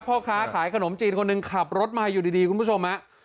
พ่อค้าขายขนมจีนคนหนึ่งขับรถมาอยู่ดีคุณผู้ชมฮะ